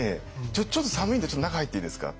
「ちょっと寒いんで中入っていいですか？」。